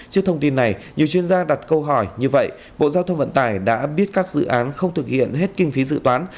trước thông tin này nhiều chuyên gia đặt câu hỏi như vậy bộ giao thông vận tải đã biết các dự án không thực hiện hết kinh phí dự toán